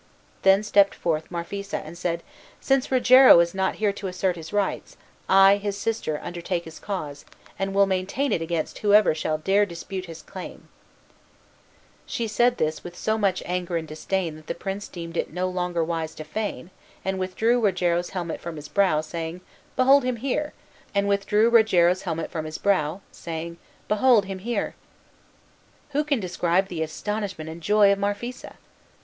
Then stepped forth Marphisa, and said, "Since Rogero is not here to assert his rights, I, his sister, undertake his cause, and will maintain it against whoever shall dare dispute his claim." She said this with so much anger and disdain that the prince deemed it no longer wise to feign, and withdrew Rogero's helmet from his brow, saying, "Behold him here!" Who can describe the astonishment and joy of Marphisa!